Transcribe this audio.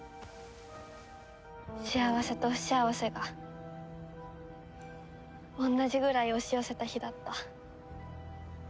幸せと不幸せが同じぐらい押し寄せた日だった。